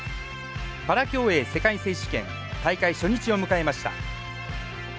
パラ競泳世界選手権大会初日を迎えました。